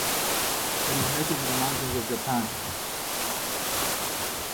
It is native to the mountains of Japan.